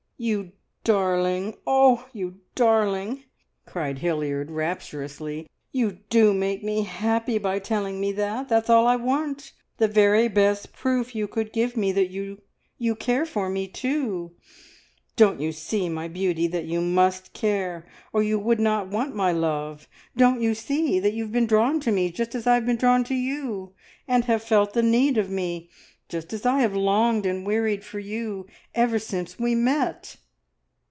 "You darling! Oh, you darling!" cried Hilliard rapturously. "You do make me happy by telling me that. That's all I want the very best proof you could give me that you care for me too. Don't you see, my beauty, that you must care, or you would not want my love? Don't you see that you have been drawn to me, just as I have been drawn to you, and have felt the need of me, just as I have longed and wearied for you ever since we met?"